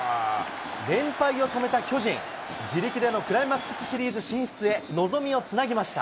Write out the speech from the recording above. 連敗を止めた巨人、自力でのクライマックスシリーズ進出へ、望みをつなぎました。